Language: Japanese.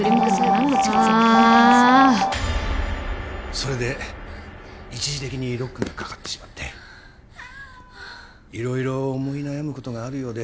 それで一時的にロックが掛かってしまって色々思い悩むことがあるようで。